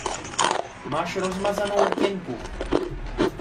Máš rozmazanou rtěnku.